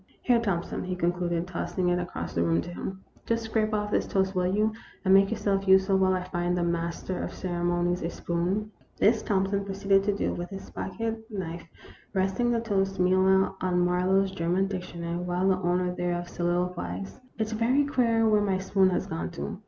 " Here, Thompson," he concluded, tossing it across the room to him, " just scrape off this toast, will you, and make yourself useful while I find the master of ceremonies a spoon ?" This Thompson proceeded to do with his pocket knife, resting the toast, meanwhile, on Marlowe's German dictionary, while the owner thereof solilo quized :" It 's very queer where my spoon has gone to.